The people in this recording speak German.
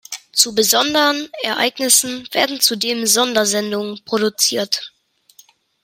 Zu besonderen Ereignissen werden zudem Sondersendungen produziert.